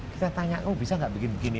kita tanya oh bisa enggak bikin begini